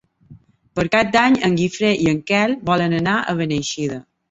Per Cap d'Any en Guifré i en Quel volen anar a Beneixida.